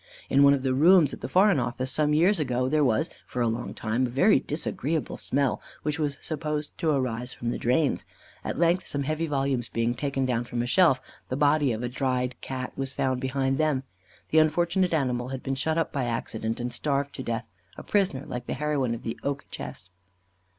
In one of the rooms at the Foreign Office, some years ago, there was, for a long time, a very disagreeable smell, which was supposed to arise from the drains. At length some heavy volumes being taken down from a shelf, the body of a dried Cat was found behind them. The unfortunate animal had been shut up by accident, and starved to death, a prisoner, like the heroine of the "Oak Chest."